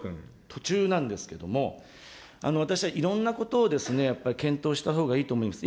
途中なんですけれども、私はいろんなことをやっぱり検討したほうがいいと思います。